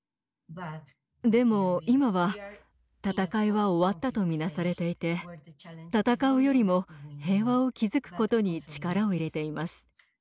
でも今は戦いは終わったと見なされていて戦うよりも平和を築くことに力を入れています。